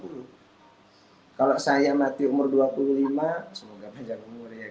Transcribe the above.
dibalik bertambahnya usia ada umur yang